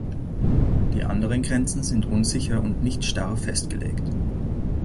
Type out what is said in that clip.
Die anderen Grenzen sind unsicher und nicht starr festgelegt.